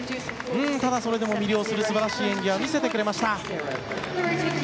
ただそれでも魅了する素晴らしい演技を見せてくれました。